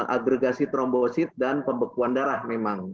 agregasi trombosit dan pembekuan darah memang